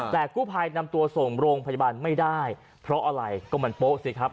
แต่กู้ภัยนำตัวส่งโรงพยาบาลไม่ได้เพราะอะไรก็มันโป๊ะสิครับ